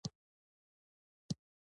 عصري تعلیم مهم دی ځکه چې ساینسي پرمختګ هڅوي.